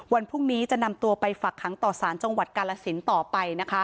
วันพรุ่งนี้จะนำตัวไปฝักขังต่อสารจังหวัดกาลสินต่อไปนะคะ